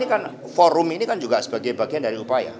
ini kan forum ini kan juga sebagai bagian dari upaya